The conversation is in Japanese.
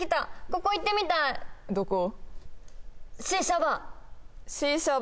ここ行ってみたいどこ？